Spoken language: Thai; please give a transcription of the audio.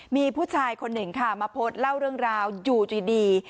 มีผู้ชายคนหนึ่งค่ะมาโพสต์เล่าเรื่องราวอยู่ดี